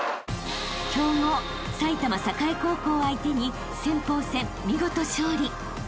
［強豪埼玉栄高校を相手に先鋒戦見事勝利］